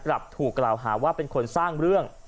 กลับถูกกล่าวหาว่าเป็นคนสร้างเรื่อง